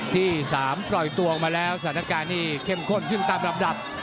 ที่๓ปล่อยตัวออกมาแล้วสถานการณ์นี้เข้มข้นขึ้นตามลำดับ